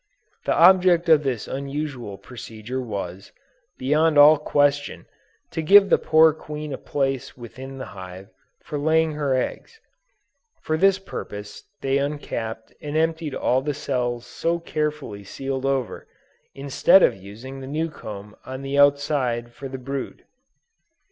The object of this unusual procedure was, beyond all question, to give the poor queen a place within the hive for laying her eggs: for this purpose they uncapped and emptied all the cells so carefully sealed over, instead of using the new comb on the outside for the brood.